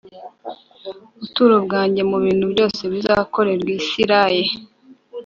buturo bwanjye mu bintu byiza byose bizakorerwa Isiraye